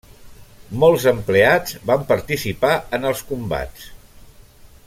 Molts empleats van participar en els combats.